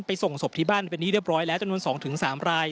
ส่งศพที่บ้านเป็นที่เรียบร้อยแล้วจำนวน๒๓ราย